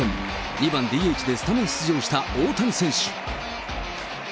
２番ＤＨでスタメン出場した大谷選手。